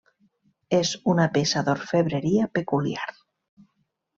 És una peça d'orfebreria peculiar.